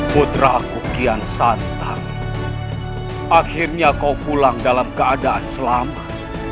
putra kukian santan akhirnya kau pulang dalam keadaan selamat